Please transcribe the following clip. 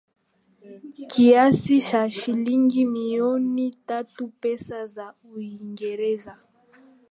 Kiasi cha shilingi milioni tatu pesa za Uingereza